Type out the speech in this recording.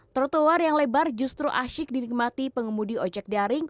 trotoar yang lebar justru asyik dinikmati pengemudi ojek daring